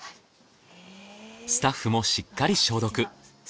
スタッフもしっかり消毒。